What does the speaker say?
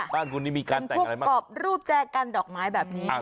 บ้านคุณนี่มีการพวกกรอบรูปแจกันดอกไม้แบบนี้